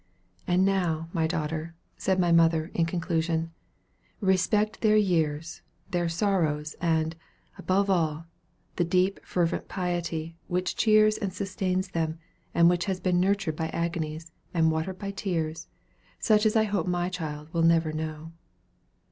"And now, my daughter," said my mother, in conclusion "respect their years, their sorrows, and, above all, the deep fervent piety which cheers and sustains them, and which has been nurtured by agonies, and watered by tears, such as I hope my child will never know."